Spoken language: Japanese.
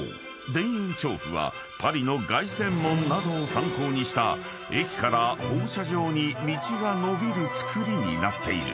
田園調布はパリの凱旋門などを参考にした駅から放射状に道が延びるつくりになっている］